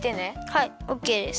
はいオッケーです。